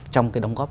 trong cái đóng góp